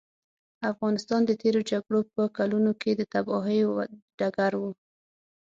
افغانستان د تېرو جګړو په کلونو کې د تباهیو ډګر و.